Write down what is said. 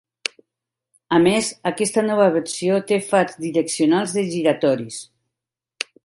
A més, aquesta nova versió té fars direccionals de giratoris.